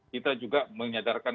kita juga menyadarkan